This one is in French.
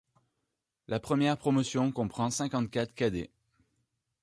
La première promotion comprend cinquante-quatre cadets.